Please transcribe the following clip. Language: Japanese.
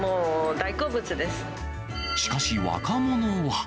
しかし若者は。